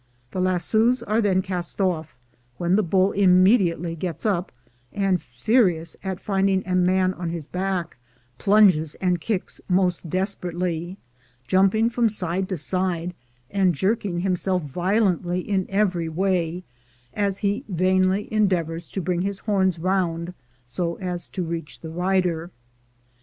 The lassoes are then cast off, when the bull immediately gets up, and, furious at finding a man on his back, plunges and kicks most desperately, jumping from side to side, and jerking himself vio lently in every way, as he vainly endeavors to bring his horns round so as to reach his rider.